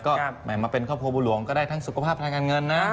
ก็แหม่มาเป็นครอบครัวบัวหลวงก็ได้ทั้งสุขภาพทางการเงินนะ